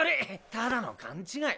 ただの勘違い。